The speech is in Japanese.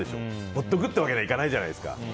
放っておくというわけにはいかないじゃないですか。